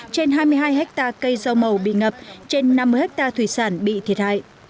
trên hai mươi hai hecta cây rau màu bị ngập trên năm mươi hecta thủy sản bị thiệt hại